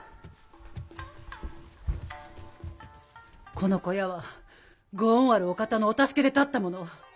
この小屋はご恩あるお方のお助けで建ったもの。